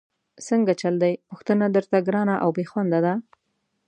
څنګه چل دی، پوښتنه درته ګرانه او بېخونده ده؟!